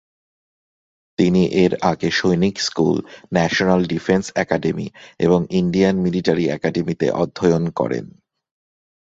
তিনি এর আগে Sainik School, National Defence Academy এবং ইন্ডিয়ান মিলিটারি একাডেমীতে অধ্যয়ন করেন।